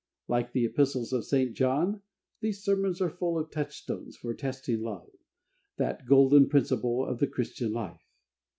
Like the Epistles of St. John, these sermons are full of touchstones for testing love, that golden principle of the Christian life.